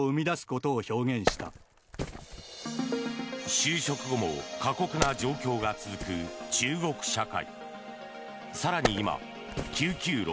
就職後も過酷な状況が続く中国社会。